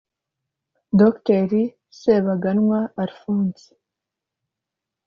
Dr Sebaganwa Alphonse